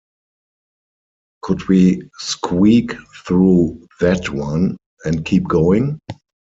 Could we squeak through "that" one, and keep going?